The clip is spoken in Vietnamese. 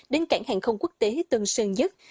đến cảng hàng không quốc tế tân sơn nhất